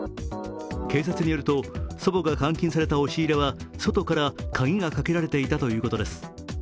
警察によると祖母が監禁された押し入れは外から鍵がかけられていたということです。